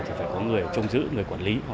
thì phải có người trông giữ người quản lý